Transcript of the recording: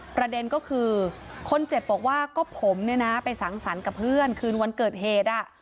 ประเด็นก็คือคนเจ็บบอกว่าก็ผมเนี่ยนะไปสังสรรค์กับเพื่อนคืนวันเกิดเหตุ